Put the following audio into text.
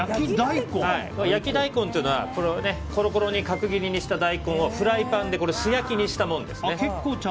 焼き大根というのはコロコロに角切りにした大根をフライパンで素焼きにしたものですね。